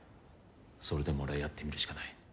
それでも俺はやってみるしかない。